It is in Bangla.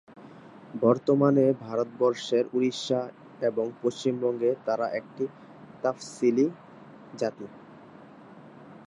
বর্তমানে ভারতবর্ষের ওড়িশা এবং পশ্চিমবঙ্গে তারা একটি তফসিলি জাতি।